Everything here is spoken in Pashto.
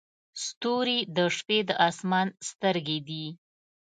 ستوري د شپې د اسمان سترګې دي.